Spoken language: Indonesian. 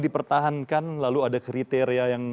dipertahankan lalu ada kriteria yang